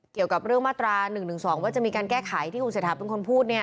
เกี่ยวกับเรื่องมาตรา๑๑๒ว่าจะมีการแก้ไขที่คุณเศรษฐาเป็นคนพูด